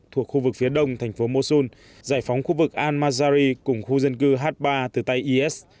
thuộc khu vực phía đông thành phố mosun giải phóng khu vực al mazari cùng khu dân cư h ba từ tay is